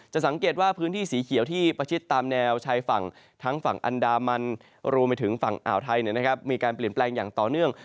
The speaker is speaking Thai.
สังเกตว่าพื้นที่สีเขียวที่ประชิดตามแนวชายฝั่งทั้งฝั่งอันดามันรวมไปถึงฝั่งอ่าวไทยมีการเปลี่ยนแปลงอย่างต่อเนื่อง